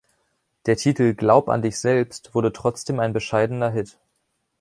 Der Titel "Glaub an dich selbst" wurde trotzdem ein bescheidener Hit.